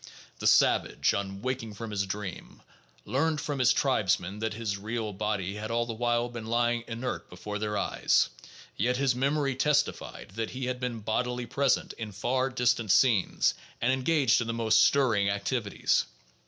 The savage, on waking from his dream, learned from his tribesmen that his "real" body had all the while been lying inert before their eyes ; yet his memory testified that he had been bodily present in far distant scenes and engaged in the most stirring activities.